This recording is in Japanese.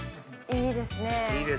いいですね。